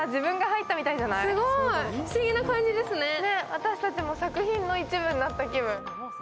私たちも作品の一部になった気分。